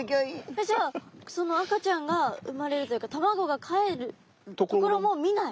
えっじゃあその赤ちゃんが産まれるというか卵がかえるところも見ない？